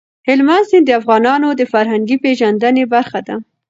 هلمند سیند د افغانانو د فرهنګي پیژندنې برخه ده.